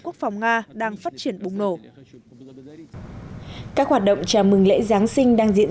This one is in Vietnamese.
quốc phòng nga đang phát triển bùng nổ các hoạt động chào mừng lễ giáng sinh đang diễn